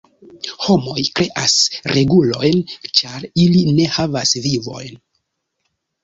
Homoj kreas regulojn ĉar ili ne havas vivojn.